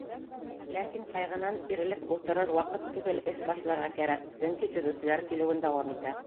Ләкин ҡайғынан тирелеп ултырыр ваҡыт түгел, эш башларға кәрәк, сөнки төҙөүселәр килеүен дауам итә.